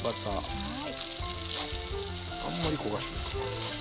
はい。